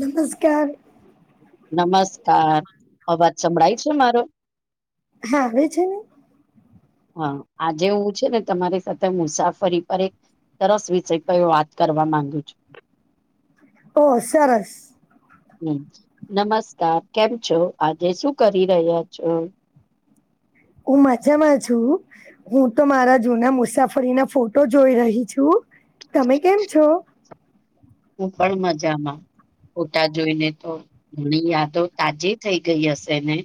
નમસ્કાર નમસ્કાર અવાજ સંભળાય છે મારો હા આવે છે ને હા આજે એવું છે ને તમારી સાથે મુસાફરી પર એક સરસ વિષય કયો વાત કરવા માંગુ છું ઓ સરસ હમ નમસ્કાર કેમ છો આજે શું કરી રહ્યા છો [inaudible] હું મજામાં છું હું તો મારા જુના મુસાફરી ના ફોટો જોઈ રહી છું તમે કેમ છો હું પણ મજામાં ફોટા જોઈને તો ઘણી યાદો તાજી થઈ ગઈ હશે ને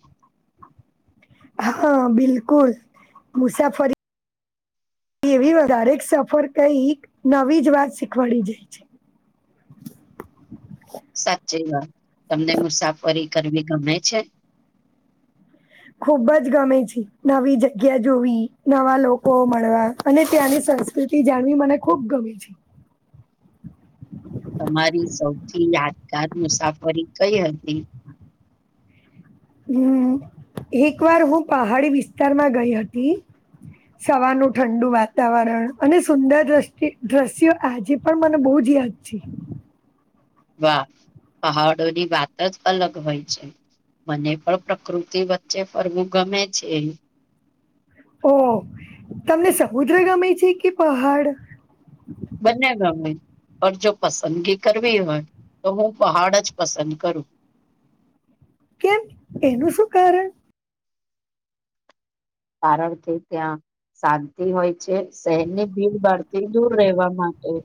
હા બિલકુલ મુસાફરી એવી વધારેક સફર કંઈક નવી જ વાત શીખવાડી જાય છે [inaudible] [unintelligible] જે વાત તમને મુસાફરી કરવી ગમે છે ખુબ જ ગમે છે નવી જગ્યા જોવી નવા લોકો મળવા અને ત્યાંની સંસ્કૃતિ જાણવી મને ખુબ ગમે છે [inaudible] તમારી સૌથી યાદગાર મુસાફરી કઈ હતી હમ એક વાર હું પહાડી વિસ્તારમાં ગઈ હતી સવારનું ઠંડુ વાતાવરણ અને સુંદર દ દ્રશ્યો આજે પણ મને બહુ જ [unintelligible] વાહ પહાડોની વાત જ અલગ હોય છે મને પણ પ્રકૃતિ વચ્ચે ફરવું ગમે છે ઓ તમને સમુદ્ર ગમે છે કે પહાડ પર જો પસંદગી કરવી હોય તો હું પહાડ જ પસંદ કરું [inaudible] કેમ એનું શું કારણ કારણથી ત્યાં શાંતિ હોય છે શહેરની ભીડ બાડ થી દૂર રહેવા માટે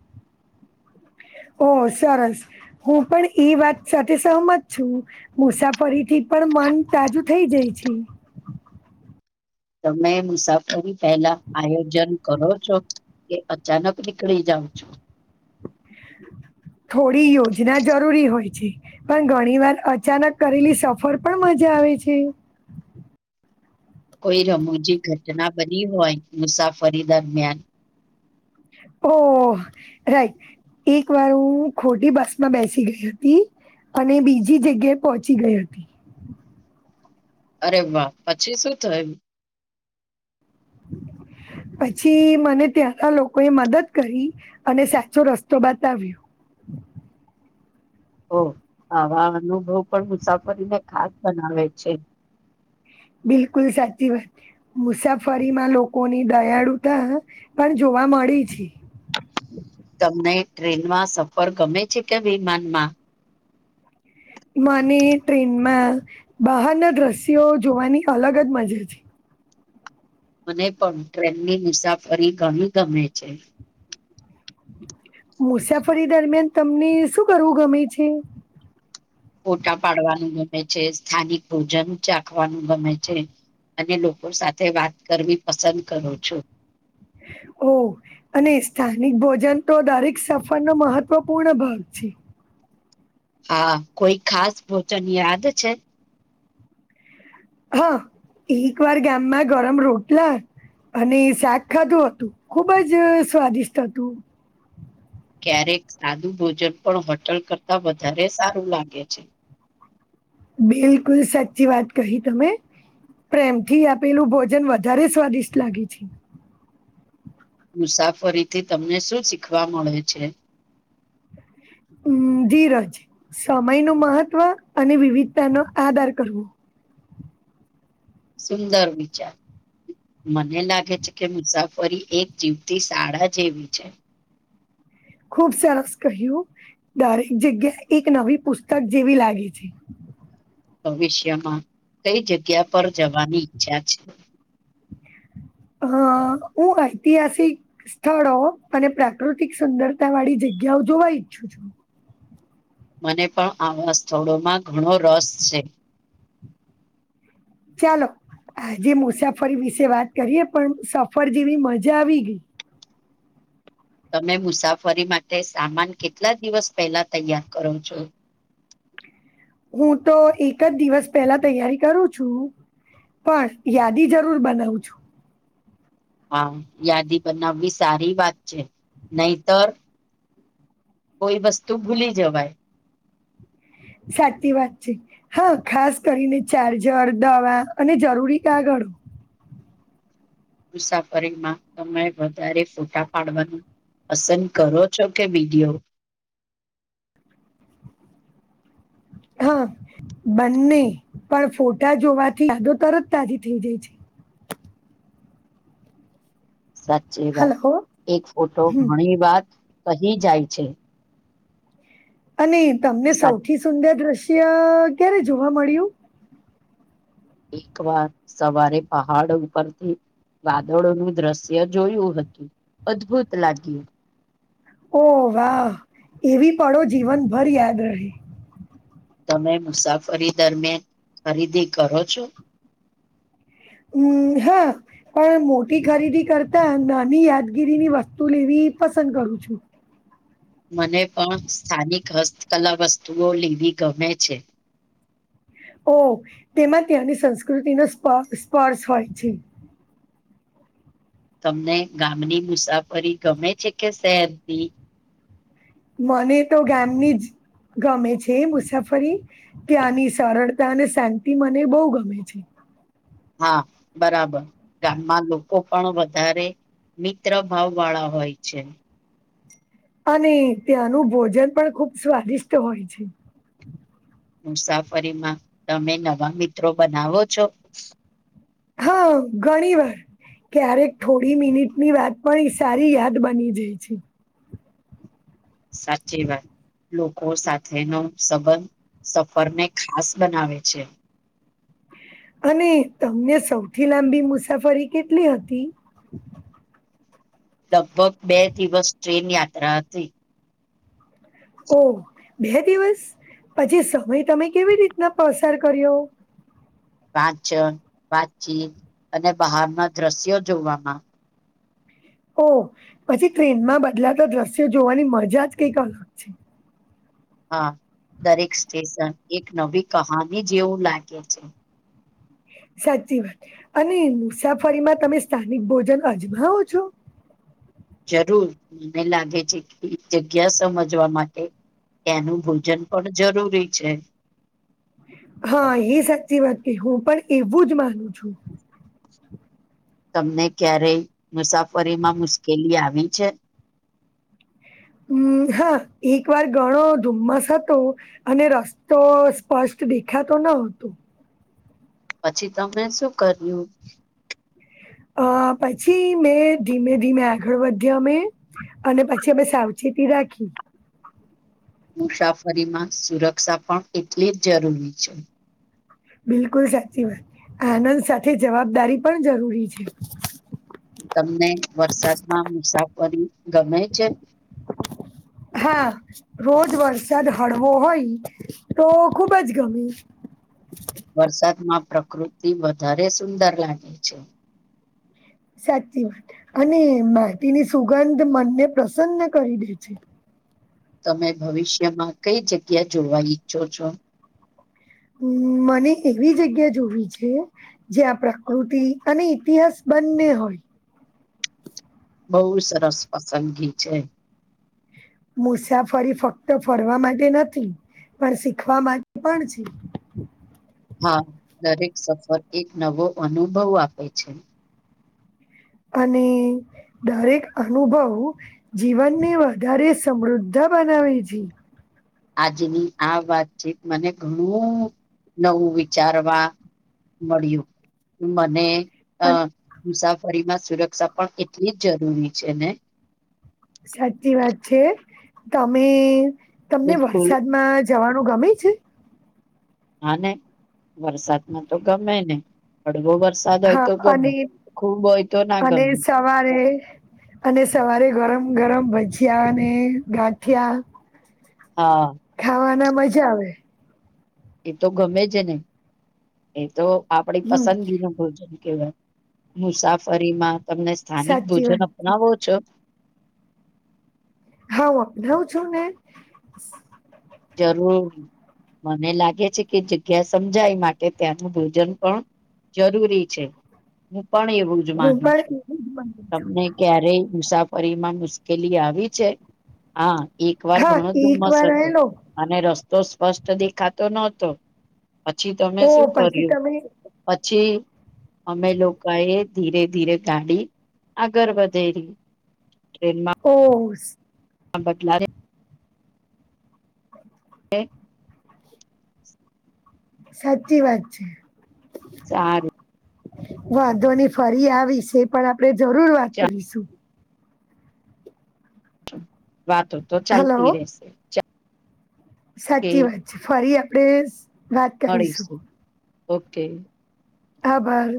[inaudible] ઓ સરસ હું પણ એઈ વાત સાથે સહમત છું મુસાફરીથી પણ મન તાજુ થઈ જાય છે [inaudible] તમે મુસાફરી પહેલા આયોજન કરો છો કે અચાનક નીકળી જાવ [unintelligible] થોડી યોજના જરૂરી હોય છે પણ ઘણી વાર અચાનક કરેલી સફર પણ મજા આવે છે [inaudible] કોઈ રમૂજી ઘટના બની હોય મુસાફરી દરમિયાન ઓ રાઈટ એક વાર હું ખોટી બસ માં બેસી ગઈ હતી અને બીજી જગ્યાએ પહોંચી ગઈ હતી. [inaudible] અરે વાહ પછી શું થયું? પછી મને ત્યાના લોકોએ મદદ કરી અને સાચો રસ્તો બતાવ્યો. [inaudible] ઓ આવા અનુભવ પણ મુસાફરીને ખાસ બનાવે છે. બિલકુલ સાચી વાત મુસાફરીમાં લોકોની દયાળુતા પણ જોવા મળી છે. તમને ટ્રેનમાં સફર ગમે છે કે વિમાનમાં? મને ટ્રેનમાં બહારના દ્રશ્યો જોવાની અલગ જ મજા છે. મને પણ ટ્રેનની મુસાફરી ગણી ગમે છે. મુસાફરી દરમિયાન તમને શું કરવું ગમે છે? ફોટા પાડવાનું ગમે છે, સ્થાનિક ભોજન ચાખવાનું ગમે છે. અને લોકો સાથે વાત કરવી પસંદ કરું છું. ઓ અને સ્થાનિક ભોજન તો દરેક સફર નો મહત્વપૂર્ણ ભાગ છે. હા કોઈ ખાસ ભોજન યાદ છે? હા એક વાર ગમમાં ગરમ રોટલા અને શાક ખાધું હતું, ખુબ જ સ્વાદિષ્ટ હતું. ક્યારેક સાદું ભોજન પણ હોટલ કરતાં વધારે સારું લાગે છે. બિલકુલ, સાચી વાત કહી તમે પ્રેમથી આપેલું ભોજન વધારે સ્વાદિષ્ટ લાગે છે. મુસાફરીથી તમને શું શીખવા મળે છે? ઉમ ધીરજ, સમય નું મહત્વ અને વિવિધતા નો આધાર કરવો. સુંદર વિચાર. મને લાગે છે કે મુસાફરી એક જીવતી શાળા જેવી છે. ખુબ સરસ કહ્યું દરેક જગ્યા એક નવી પુસ્તક જેવી લાગે છે. ભવિષ્યમાં કઈ જગ્યા પર જવાની ઈચ્છા છે? હ હું ઐતિહાસિક સ્થળો અને પ્રાકૃતિક સુંદરતા વાળી જગ્યા જગ્યા જોવા ઈચ્છું છું. મને પણ આવા સ્થળોમાં ઘણો રસ છે. ચાલો આજે મુસાફરી વિશે વાત કરીએ પણ સફર જેવી મજા આવી ગઈ. તમે મુસાફરી માટે સામાન કેટલા દિવસ પહેલા તૈયાર કરો છો? હું તો એક જ દિવસ પેલા તૈયારી કરું છું પણ યાદી જરૂર બનાવું છું. હા યાદી બનાવવી સારી વાત છે, નહીતર કોઈ વસ્તુ ભૂલી જવાય. સાચી વાત છે, હા ખાસ કરીને ચાર્જર, દવા અને જરૂરી કાગળ ડો. મુસાફરીમાં સમય વધારે ફોટા પાડવાનું પસંદ કરો છો કે વિડિઓ? હા બંને પણ ફોટા જોવાથી દો તરત તાજી થઈ જાય છે. સાચી વાત, હલો એક ફોટો હમ ઘણી વાર કહી જાય છે. અને તમને સાચ સૌથી સુંદર દ્રશ્ય ક્યારે જોવા મળ્યું? એક વાર સવારે પહાડ ઉપરથી વાદળોનું દ્રશ્ય જોયું હતું, અદ્ભુત લાગ્યું. ઓ વાહ એવી પણો જીવન ભર યાદ રે તમે મુસાફરી દરમિયાન ખરીદી કરો છો? હમ્મ હા પણ મોટી ખરીદી કરતા નાની યાદગીરીની વસ્તુ લેવી પસંદ કરું છું, મને પણ સ્થાનિક હસ્તકલા વસ્તુઓ લેવી ગમે છે, ઓ તેમાં ત્યાંની સંસ્કૃતિનો સ્પર્શ હોય છે, તમને ગામની મુસાફરી ગમે છે કે શહેરથી? મને તો ગામની જ ગમે છે મુસાફરી ત્યાંની સરળતા અને શાંતિ મને બહુ ગમે છે, હા, બરાબર ગામમાં લોકો પણ વધારે મિત્ર ભાવ વાળા હોય છે, અને ત્યાંનું ભોજન પણ ખુબ સ્વાદિષ્ટ હોય છે, મુસાફરીમાં તમે નવા મિત્રો બનાવો છો? હા ઘણી વાર ક્યારેક થોડી મિનિટની વાત પણ સારી યાદ બની જાય છે, સાચી વાત લોકો સાથેનો સંબંધ સફરને ખાસ બનાવે છે, અને તમને સૌથી લાંબી મુસાફરી કેટલી હતી? [unintelligible] લગભગ બે દિવસ ટ્રેન યાત્રા હતી, ઓહ બે દિવસ પછી સમય તમે કેવી રીતના પસાર કર્યો? વાંચન વાચીત અને બહારના દ્રશ્યો જોવામાં. ઓ પછી ટ્રેનમાં બદલાતા દ્રશ્યો જોવાની મજા જ કંઈક અલગ છે. હા, દરેક સ્ટેશન એક નવી કહાની જેવું લાગે છે. સાચી વાત અને મુસાફરીમાં તમે સ્થાનિક ભોજન અજમાવો છો? જરૂર મને લાગે છે, કે એ જગ્યા સમજવા માટે ત્યાંનું ભોજન પણ જરૂરી છે, હા, એ સાચી વાત ક હું પણ એવું જ માનું છું, તમને ક્યારેય મુસાફરીમાં મુશ્કેલી આવી છે? હમ્મ હા એક વાર ગણો ધુમ્મસ હતો અને રસ્તો સ્પષ્ટ દેખાતો ન હતું, પછી તમને શું કર્યું? અ પછી મેં ધીમે ધીમે આગળ વધ્યા મેં અને પછી અમે સાવચેતી રાખી, મુસાફરીમાં સુરક્ષા પણ એટલી જ જરૂરી છે, બિલકુલ સાચી વાત આનંદ સાથે જવાબદારી પણ જરૂરી છે. વરી ગમે છે, હા, રોજ વરસાદ હળવો હોય તો ખુબ જ ગમે વરસાદમાં પ્રકૃતિ વધારે સુંદર લાગે છે, સાચી વાત અને માટીની સુગંધ મનને પ્રસન્ન કરી દે છે, તમે ભવિષ્યમાં કઈ જગ્યા જોવા ઈચ્છો છો? હમ્મ મને એવી જગ્યા જોવી છે જ્યાં પ્રકૃતિ અને ઇતિહાસ બંને હોય. બહુ સરસ પસંદગી છે, મુસાફરી ફક્ત ફરવા માટે નથી પણ શીખવા માટે પણ છે. હા, દરેક સફર એક નવો અનુભવ આપે છે. અને દરેક અનુભવ જીવનને વધારે સમૃદ્ધ બનાવે છે, આજની આ વાતચીત મને ઘણું નવું વિચારવા મળ્યું મને અ અન- મુસાફરીમાં સુરક્ષા પણ કેટલી જ જરૂરી છે ને સાચી વાત છે તમે તમને બિલકુલ વરસાદમાં જ જવાનું ગમે છે. હા ને વરસાદમાં તો ગમે ને હળવો વર વરસાદ હોય હા તો ગમે અને ખૂબ હોય તો ના અને ગમે સવારે અને સવારે ગરમ ગરમ ભજીયા અને ગાંઠયા હા અને મજા આવે. એ તો ગમે છે ને એ તો આપડી હમ પસંદગી ન ભોજન કવાય મુસાફરીમાં તમને સ્થાનિક સાચી ભોજન વાત અપનાવો છો. હાું બધઉ છું ને જરૂર મને લાગે છે કે જગ્યા સમજાય માટે ત્યાંનું ભોજન પણ જરૂરી છે. પણ એવું જ હું માનું પણ છું એવું જ માનું તમને ક્યારેય મુસા ફરી એમાં મુશ્કેલી આવી છે હા એક છું વાર ઘણો હા એક ધુમ્મસ વાર હતો. આવેલો અને રસ્તો સ્પષ્ટ દેખાતો નહતો પછી તમે ઓ શું પછી કર્યું તમે પછી અમે લોકોએ ધીરે ધીરે ગાડી આગળ વધે રી ઓ હા બદલા રે હે સાચી વાત છે. સારું વાંધો ની ફરી આ વિશે પણ આપણે જરૂર વાત કરીશુંશ વાતો તો ચાલતી હલો રહેશે. કે સાચી વાત છે ફરી આપણેે વાત કરીશું. મળીશું ઓકે ખભાર